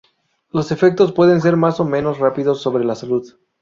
Los efectos pueden ser más o menos rápidos sobre la salud.